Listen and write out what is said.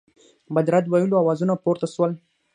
بد رد ویلو آوازونه پورته سول.